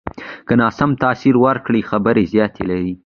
که ناسم تاثر ورکړې، خبره زیان لري